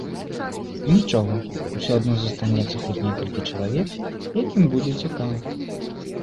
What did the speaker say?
Нічога, усё адно застанецца хоць некалькі чалавек, якім будзе цікава.